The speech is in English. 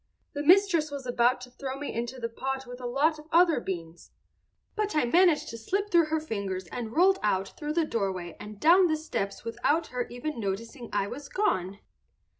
The mistress was about to throw me into the pot with a lot of other beans, but I managed to slip through her fingers and rolled out through the doorway and down the steps without her even noticing I was gone."